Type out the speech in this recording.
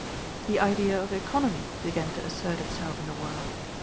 The idea of economy began to assert itself in the world.